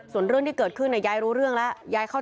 ส่วนเรื่องที่เกิดขึ้นยายรู้เรื่องแล้วยายเข้าใจ